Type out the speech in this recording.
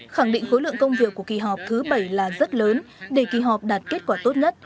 khẳng định khối lượng công việc của kỳ họp thứ bảy là rất lớn để kỳ họp đạt kết quả tốt nhất